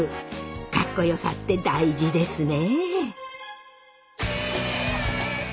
かっこよさって大事ですね！